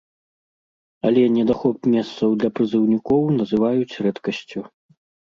Але недахоп месцаў для прызыўнікоў называць рэдкасцю.